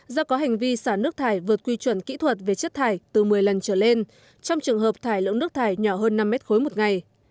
do có hành vi xả nước thải vượt quy chuẩn kỹ thuật về chất thải từ một mươi lần trở lên trong trường hợp thải lưỡng nước thải nhỏ hơn năm mét khối một ngày